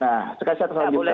nah sekarang saya terselanjutkan